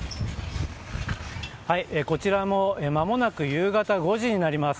こちらも間もなく夕方５時になります。